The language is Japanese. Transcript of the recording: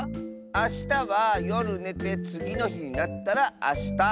あしたはよるねてつぎのひになったらあした。